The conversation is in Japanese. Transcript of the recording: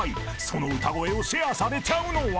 ［その歌声をシェアされちゃうのは？］